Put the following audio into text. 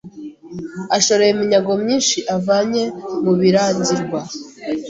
ashoreye iminyago myinshi avanye mu Birangirwa